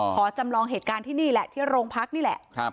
จำลองเหตุการณ์ที่นี่แหละที่โรงพักนี่แหละ